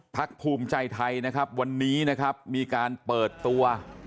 ภูมิใจไทยนะครับวันนี้นะครับมีการเปิดตัว